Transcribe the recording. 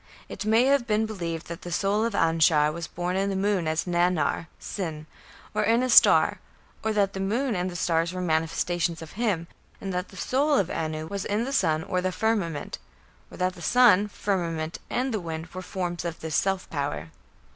It may have been believed that the soul of Anshar was in the moon as Nannar (Sin), or in a star, or that the moon and the stars were manifestations of him, and that the soul of Anu was in the sun or the firmament, or that the sun, firmament, and the wind were forms of this "self power".